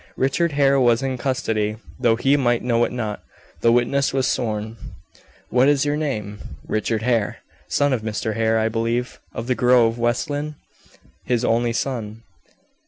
Richard Hare was in custody, though he might know it not. The witness was sworn. "What is your name?" "Richard Hare." "Son of Mr. Justice Hare, I believe, of the Grove, West Lynne?" "His only son."